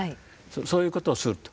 そういうことをすると。